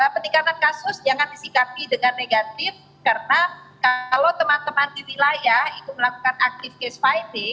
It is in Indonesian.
peningkatan kasus jangan disikapi dengan negatif karena kalau teman teman di wilayah itu melakukan active case fighting